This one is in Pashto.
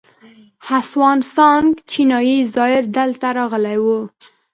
هسوان سانګ چینایي زایر دلته راغلی و